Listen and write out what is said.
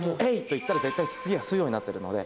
言ったら絶対次は吸うようになってるので。